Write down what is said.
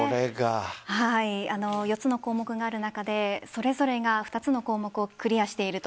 ４つの項目がある中でそれぞれが２つの項目をクリアしていると。